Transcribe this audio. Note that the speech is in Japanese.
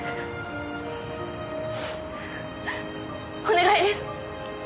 お願いです！